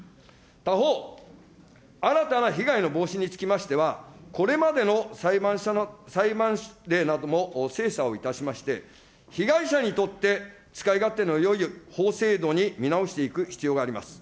他方、新たな被害の防止につきましては、これまでの裁判例なども精査をいたしまして、被害者にとって使い勝手のよい法制度に見直していく必要があります。